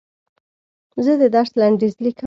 زه د درس لنډیز لیکم.